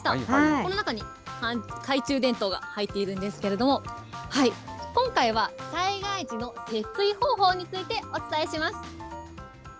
この中に懐中電灯が入っているんですけれども、今回は、災害時の節水方法についてお伝えします。